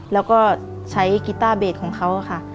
แล้วก็ใช้กีต้าเบสของเขาค่ะ